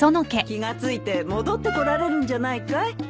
気が付いて戻ってこられるんじゃないかい？